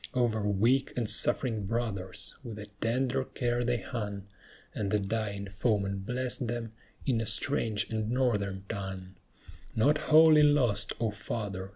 Over weak and suffering brothers, with a tender care they hung, And the dying foeman blessed them in a strange and Northern tongue. Not wholly lost, O Father!